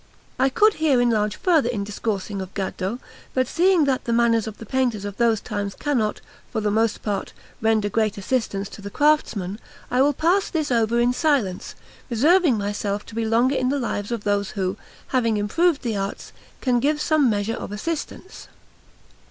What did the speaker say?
I could here enlarge further in discoursing of Gaddo, but seeing that the manners of the painters of those times cannot, for the most part, render great assistance to the craftsmen, I will pass this over in silence, reserving myself to be longer in the Lives of those who, having improved the arts, can give some measure of assistance.